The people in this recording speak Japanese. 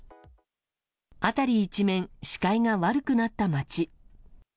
辺り一面、視界が悪くなった街。